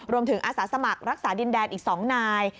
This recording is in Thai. รวมถึงอาสาสมัครรักษาดินแดนอีกสองนาย